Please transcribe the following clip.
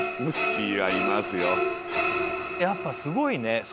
やっぱすごいね。